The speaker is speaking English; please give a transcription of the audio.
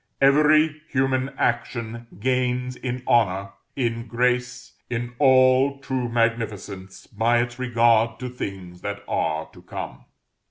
Every human action gains in honor, in grace, in all true magnificence, by its regard to things that are to come.